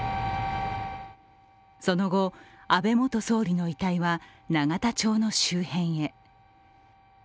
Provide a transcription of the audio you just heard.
その後、安倍元総理の遺体は永田町の周辺へ。